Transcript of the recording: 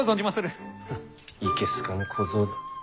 ハッいけ好かぬ小僧だ。